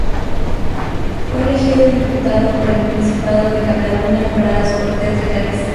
Fue elegido diputado por el Principado de Cataluña para las Cortes de Cádiz.